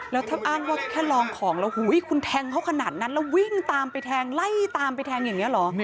แล้วถ้าอ้างว่าแค่ลองของแล้วคุณแทงเขาขนาดนั้นแล้ววิ่งตามไปแทงไล่ตามไปแทงอย่างนี้เหรอ